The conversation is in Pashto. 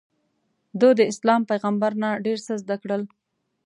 ده داسلام پیغمبر نه ډېر څه زده کړل.